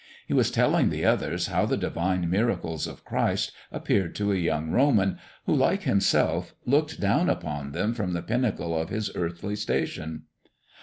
He was telling the others how the divine miracles of Christ appeared to a young Roman who, like himself, looked down upon them from the pinnacle of his earthly station.